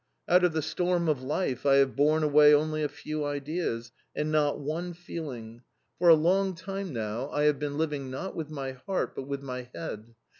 Out of the storm of life I have borne away only a few ideas and not one feeling. For a long time now I have been living, not with my heart, but with my head.